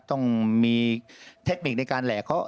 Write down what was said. ต้องมีเทคนิคในการแหล่เขา